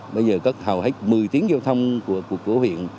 bây giờ cất hầu hết một mươi tiếng giao thông của cổ viện